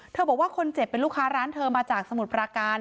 บอกว่าคนเจ็บเป็นลูกค้าร้านเธอมาจากสมุทรปราการ